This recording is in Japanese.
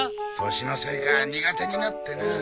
年のせいか苦手になってなあ。